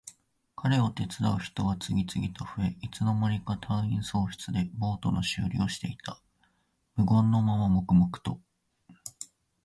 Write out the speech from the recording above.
彼を手伝う人は次々と増え、いつの間にか隊員総出でボートの修理をしていた。無言のまま黙々と。